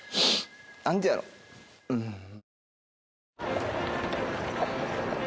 何でやろうん。